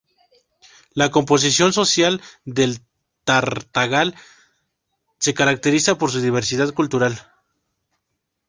La composición social de Tartagal se caracteriza por su diversidad cultural.